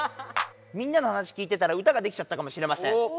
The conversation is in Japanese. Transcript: みんなの話聞いてたら歌ができちゃったかもしれません。